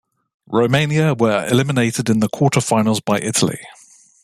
Romania were eliminated in the quarter-finals by Italy.